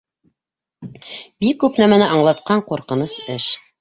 Бик күп нәмәне аңлатҡан ҡурҡыныс эш.